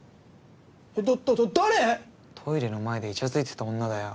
だだ誰⁉トイレの前でいちゃついてた女だよ。